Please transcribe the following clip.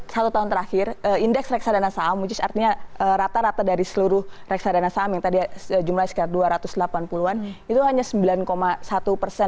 satu tahun terakhir indeks reksadana saham which is artinya rata rata dari seluruh reksadana saham yang tadi jumlahnya sekitar dua ratus delapan puluh an itu hanya sembilan satu persen